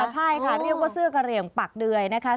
ใช่ค่ะเรียกว่าเสื้อกระเหลี่ยงปากเดือยนะคะ